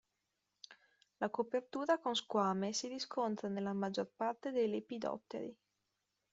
La copertura con squame si riscontra nella maggior parte dei Lepidotteri.